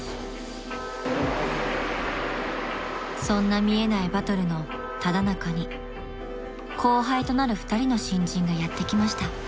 ［そんな見えないバトルのただ中に後輩となる２人の新人がやって来ました］